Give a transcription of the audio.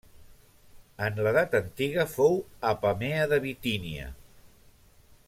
En l'edat antiga fou Apamea de Bitínia.